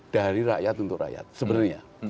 dari rakyat untuk rakyat sebenarnya